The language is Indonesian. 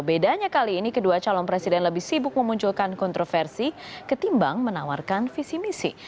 bedanya kali ini kedua calon presiden lebih sibuk memunculkan kontroversi ketimbang menawarkan visi misi